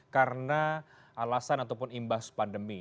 karena alasan ataupun imbas pandemi